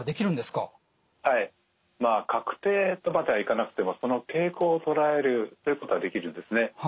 まあ確定とまではいかなくてもその傾向を捉えるということはできるんですね。